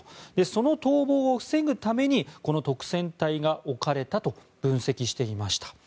その逃亡を防ぐためにこの督戦隊が置かれたと分析していました。